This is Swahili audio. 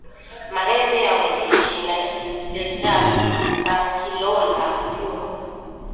Mahembe ya mubichi inaletaka kilonda tumbo